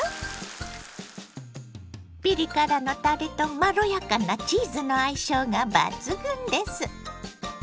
ピリ辛のたれとまろやかなチーズの相性が抜群です。